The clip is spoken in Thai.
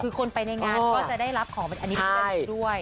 คือคนไปในงานก็จะได้รับของเป็นอนิสัยด้วย